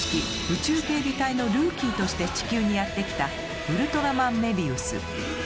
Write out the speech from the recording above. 「宇宙警備隊」のルーキーとして地球にやって来たウルトラマンメビウス。